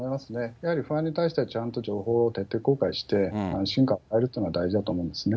やはり不安に対してはちゃんと情報を徹底公開して、審判を与えるということが大事だと思うんですね。